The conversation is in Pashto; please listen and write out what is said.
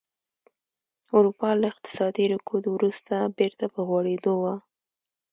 اروپا له اقتصادي رکود وروسته بېرته په غوړېدو وه